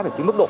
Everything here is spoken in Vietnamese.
cái mức độ